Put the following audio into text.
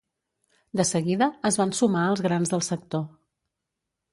De seguida es van sumar els grans del sector.